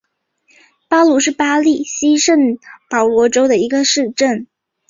乌鲁是巴西圣保罗州的一个市镇。